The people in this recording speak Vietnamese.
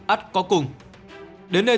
ắt có cùng đến đây